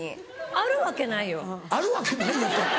「あるわけないよ」って。